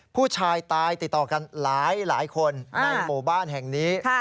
ผู้ชายตายติดต่อกันหลายคนในหมู่บ้านแห่งนี้